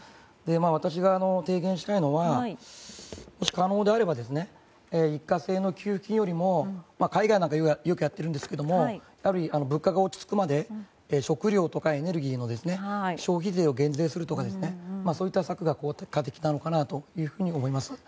私が提言したいのはもし可能であれば一過性の給付金よりも海外なんかはよくやってるんですけども物価が落ち着くまで食料とかエネルギー消費税を減税するとかそういった策が効果的なのかなと思います。